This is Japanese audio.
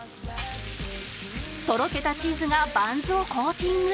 とろけたチーズがバンズをコーティング